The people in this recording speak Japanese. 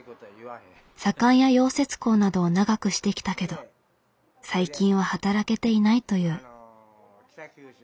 左官や溶接工などを長くしてきたけど最近は働けていないという。